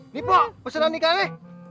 ini pok pesanan nikahnya